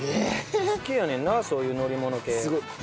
好きやねんなそういう乗り物系。